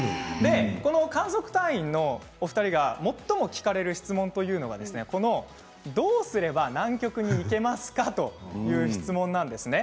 この観測隊員のお二人が最もよく聞かれる質問というのがどうすれば南極に行けますか？という質問なんですね。